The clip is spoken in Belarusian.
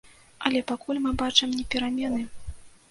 Але пакуль мы бачым не перамены.